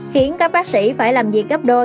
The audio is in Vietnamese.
khiến các bác sĩ phải làm việc gấp đôi